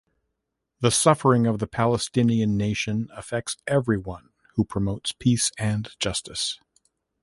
The suffering of the Palestinian nation affects everyone, who promotes peace and justice.